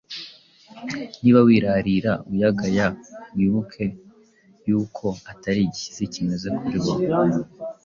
Niba wirarira uyagaya, wibuke yuko atari igishyitsi kimeze kuri wowe,